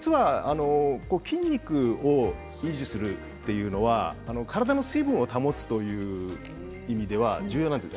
筋肉を維持するというのは体の水分を保つという意味では重要なんです。